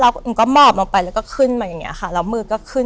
หนูก็หมอบลงไปแล้วก็ขึ้นมาอย่างเงี้ค่ะแล้วมือก็ขึ้น